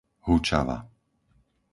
Hučava